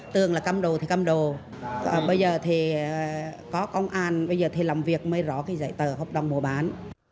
tường là cầm đồ thì cầm đồ bây giờ thì có công an bây giờ thì làm việc mới rõ cái giấy tờ hợp đồng mua bán